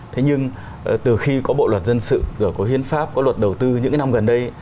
thế nhưng từ khi có bộ luật dân sự rồi có hiến pháp có luật đầu tư những cái năm gần đây